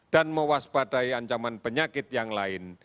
dan mewaspadai ancaman penyakit yang lain